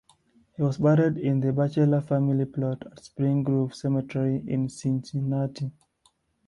He was buried in the Bachelor family plot at Spring Grove Cemetery in Cincinnati.